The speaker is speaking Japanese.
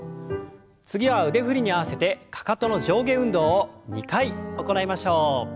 次は腕振りに合わせてかかとの上下運動を２回行いましょう。